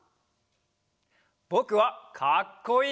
ぼくはかっこいい